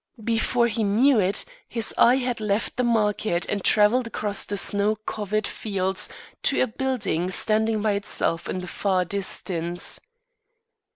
Before be knew it, his eye had left the market and travelled across the snow covered fields to a building standing by itself in the far distance.